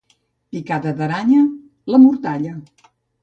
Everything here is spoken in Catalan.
Picada d'aranya, la mortalla.